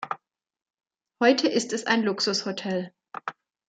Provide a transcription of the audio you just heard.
Heute ist es ein Luxushotel.